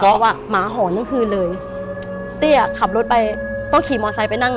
เพราะว่าหมาหอนตั้งคืนเลยตี้อ่ะขับรถไปต้องขี่มอเซ้ไปนั่ง